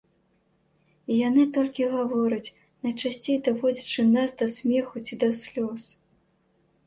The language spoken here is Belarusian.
І яны толькі гавораць, найчасцей даводзячы нас да смеху ці да слёз.